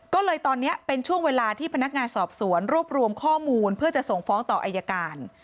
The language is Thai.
ก็เลยตอนนี้เป็นช่วงเวลาที่พนักงานสอบสวนรวบรวมข้อมูลเพื่อจะส่งฟ้องต่ออายการ